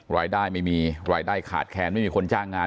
รายได้ไม่มีรายได้ขาดแคนไม่มีคนจ้างงาน